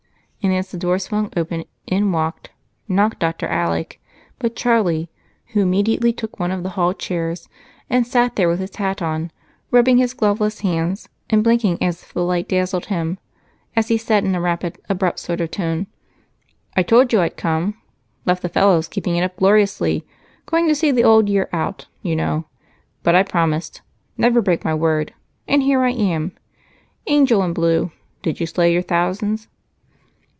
And as the door swung open, in walked, not Dr. Alec, but Charlie, who immediately took one of the hall chairs and sat there with his hat on, rubbing his gloveless hands and blinking as if the light dazzled him, as he said in a rapid, abrupt sort of tone, "I told you I'd come left the fellows keeping it up gloriously going to see the old year out, you know. But I promised never break my word and here I am. Angel in blue, did you slay your thousands?"